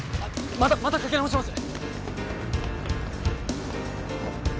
またまたかけ直します！